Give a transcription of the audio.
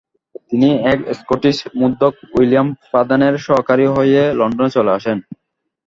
তিনি এক স্কটিশ মুদ্রক উইলিয়াম ফাদেনের সহকারী হয়ে লণ্ডনে চলে আসেন।